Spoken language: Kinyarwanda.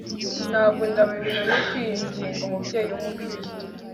Ntabwo indahiro yo kwinginga umubyeyi wumukristu